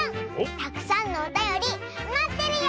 たくさんのおたよりまってるよ！